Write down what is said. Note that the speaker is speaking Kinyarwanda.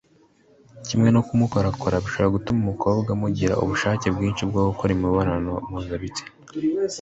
kimwe no kumukorakora bishobora gutuma umukobwa mugira ubushake bwinshi bwo gukora imibonano mpuzabitsina